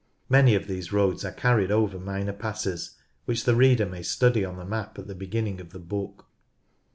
Man}' of these roads are carried over minor passes, which the reader may study on the map at the beginning of the book.